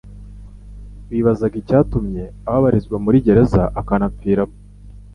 Bibazaga icyatumye ababarizwa muri gereza akanapfiramo.